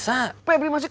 a specah beijing